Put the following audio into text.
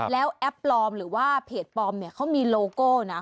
แล้วแอปปลอมหรือว่าเพจปลอมเนี่ยเขามีโลโก้นะ